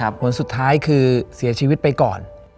ผลสุดท้ายคือเสียชีวิตไปก่อน